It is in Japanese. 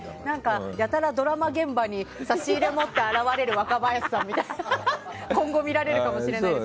やたらドラマ現場に差し入れ持って現れる若林さんみたいなのが今後、見られるかもしれないですね。